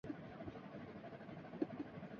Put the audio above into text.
تمہیں شرم نہیں آتی؟